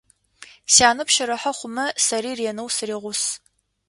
Сянэ пщэрыхьэ хъумэ, сэри ренэу сыригъус.